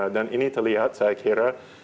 dan ini terlihat saya kira